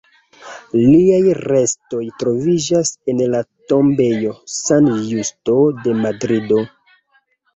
Liaj restoj troviĝas en la tombejo San Justo de Madrido.